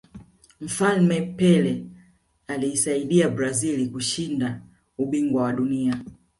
mfalme pele aliisaidia brazil kushinda ubingwa wa duniani